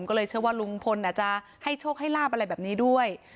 ก็เลยเชื่อว่าลุงพลอาจจะให้โชคให้ลาบอะไรแบบนี้ด้วย